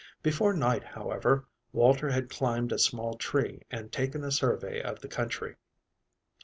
Before night, however, Walter had climbed a small tree and taken a survey of the country.